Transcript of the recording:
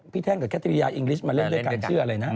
แท่งกับแคทริยาอิงลิชมาเล่นด้วยกันชื่ออะไรนะ